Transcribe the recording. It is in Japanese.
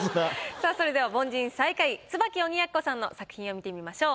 さあそれでは凡人最下位椿鬼奴さんの作品を見てみましょう。